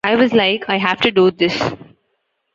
I was like, 'I have to do this.